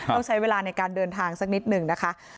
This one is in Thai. ต้องใช้เวลาในการเดินทางสักนิดหนึ่งนะคะ